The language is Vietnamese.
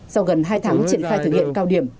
sau gần hai tháng triển khai thực hiện cao điểm